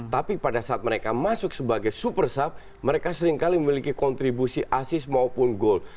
tapi pada saat mereka masuk sebagai super sub mereka seringkali memiliki kontribusi asis maupun gol